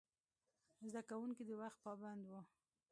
زده کوونکي د وخت پابند وو.